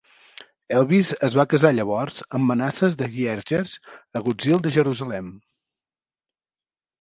Helvis es va casar llavors amb Manasses de Hierges, agutzil de Jerusalem.